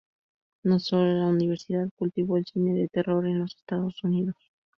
No solo la Universal cultivó el cine de terror en los Estados Unidos.